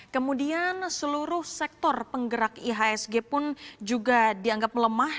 kemudian seluruh sektor penggerak ihsg pun juga dianggap melemah